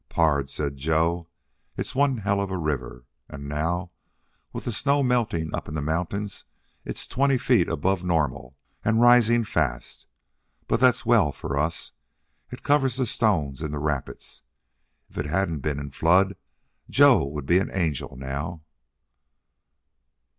"Pard," said Joe, "it's one hell of a river! And now with the snow melting up in the mountains it's twenty feet above normal and rising fast. But that's well for us. It covers the stones in the rapids. If it hadn't been in flood Joe would be an angel now!"